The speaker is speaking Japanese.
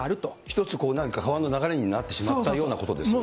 一つなんか、川の流れになってしまったようなことですね。